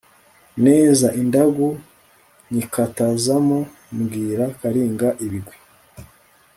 neza i Nduga nyikatazamo mbwira Karinga ibigwi